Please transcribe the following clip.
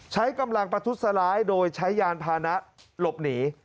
ใช้กำลังประทุษร้ายโดยใช้ยานพานะหลบหนี